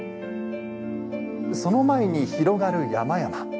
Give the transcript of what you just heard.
その前に広がる山々。